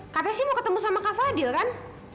katanya mau ketemu sama kak fadhil kan